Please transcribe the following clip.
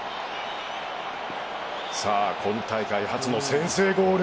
今大会初の先制ゴール